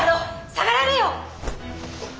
・下がられよ！